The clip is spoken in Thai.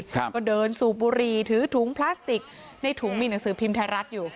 ครับก็เดินสูบบุหรี่ถือถุงพลาสติกในถุงมีหนังสือพิมพ์ไทยรัฐอยู่